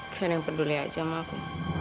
kalian yang peduli aja sama aku